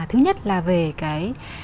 thứ nhất là về cái